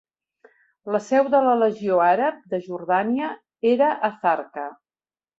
La seu de la Legió Àrab de Jordània era a Zarqa.